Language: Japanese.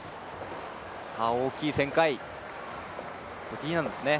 大きい旋回、Ｄ難度ですね。